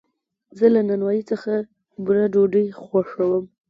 زه له نانوایي څخه بوره ډوډۍ خوښوم.